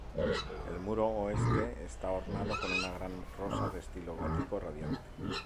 El muro oeste está ornado con una gran rosa de estilo gótico radiante.